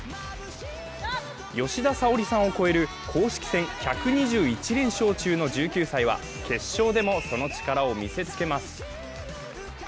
吉田沙保里さんを超える公式戦１２１連勝中の１９歳は決勝でもその力を見せつけます。